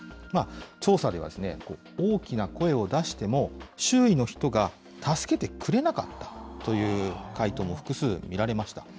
調査では、大きな声を出しても周囲の人が助けてくれなかったという回答も複数見られました。